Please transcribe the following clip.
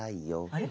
あれ？